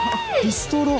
ビストロ？